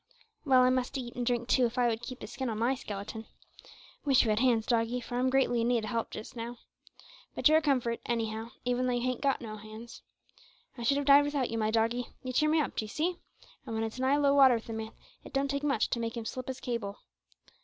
Well, I must eat and drink too, if I would keep the skin on my skeleton. Wish you had hands, doggie, for I'm greatly in need o' help just now. But you're a comfort, anyhow, even though you hain't got no hands. I should have died without you, my doggie you cheer me up, d'ee see, and when it's nigh low water with a man, it don't take much to make him slip his cable.